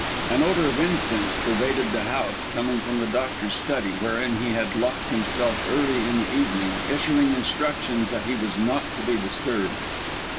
An odour of incense pervaded the house, coming from the doctor's study, wherein he had locked himself early in the evening, issuing instructions that he was not to be disturbed.